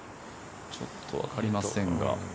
ちょっとわかりませんが。